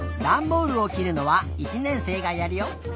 ダンボールをきるのは１年生がやるよ。